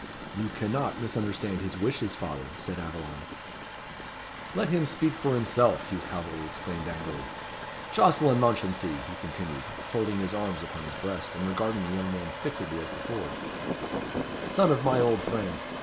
"You cannot misunderstand his wishes, father," said Aveline. "Let him speak for himself," Hugh Calveley exclaimed angrily. "Jocelyn Mounchensey!" he continued, folding his arms upon his breast, and regarding the young man fixedly as before, "son of my old friend!